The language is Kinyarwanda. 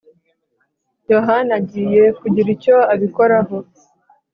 yohana agiye kugira icyo abikoraho